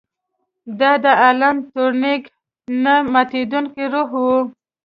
دا د الن ټورینګ نه ماتیدونکی روح و